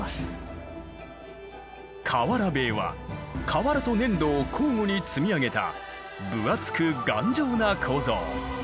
瓦塀は瓦と粘土を交互に積み上げた分厚く頑丈な構造。